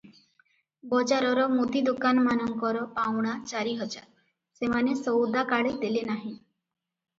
ବଜାରର ମୁଦି ଦୋକାନମାନଙ୍କର ପାଉଣା ଚାରିହଜାର, ସେମାନେ ସଉଦାକାଳି ଦେଲେ ନାହିଁ ।